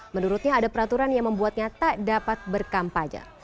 menurutnya ada peraturan yang membuatnya tak dapat berkampanye